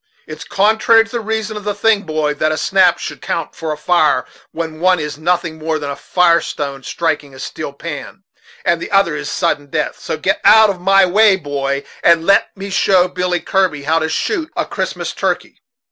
It's contrary to the reason of the thing, boy, that a snap should count for a fire, when one is nothing more than a fire stone striking a steel pan, and the other is sudden death; so get out of my way, boy, and let me show Billy Kirby how to shoot a Christmas turkey."